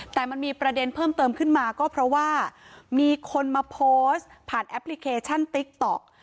แต่มันมีประเด็นเพิ่มเติมขึ้นมาก็เพราะว่ามีคนมาโพสต์ผ่านแอปพลิเคชันติ๊กต๊อก